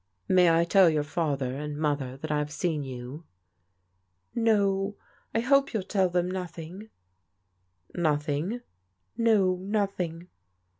" May I tell your father and mother that I have seen you?" " No, I hope you'll tell them nothing " "Nothing?" " No. nothing."